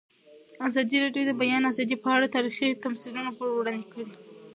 ازادي راډیو د د بیان آزادي په اړه تاریخي تمثیلونه وړاندې کړي.